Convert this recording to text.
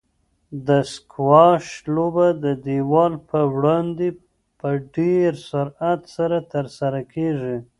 د سکواش لوبه د دیوال په وړاندې په ډېر سرعت سره ترسره کیږي.